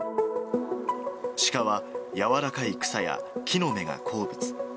シカは柔らかい草や木の芽が好物。